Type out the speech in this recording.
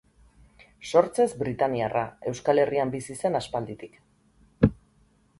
Sortzez britainiarra, Euskal Herrian bizi zen aspalditik.